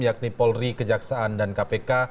yakni polri kejaksaan dan kpk